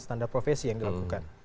standar profesi yang dilakukan